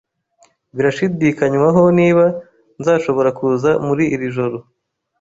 Birashidikanywaho niba nzashobora kuza muri iri joro